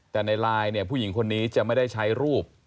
แต่ในไลน์เนี่ยผู้หญิงคนนี้จะไม่ได้ใช้รูป